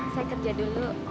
saya kerja dulu